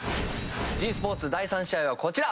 ｇスポーツ第３試合はこちら。